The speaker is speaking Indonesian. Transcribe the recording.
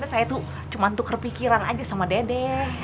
saya tuh cuma tukar pikiran aja sama dede